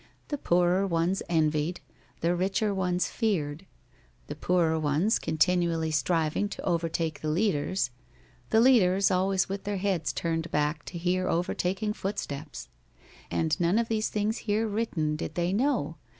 The poorer ones envied; the richer ones feared; the poorer ones continually striving to overtake the leaders; the leaders always with their heads turned back to hear overtaking footsteps. And none of these things here written did they know.